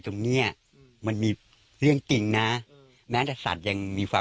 ตรงเนี้ยมันมีเรื่องจริงนะแม้แต่สัตว์ยังมีความ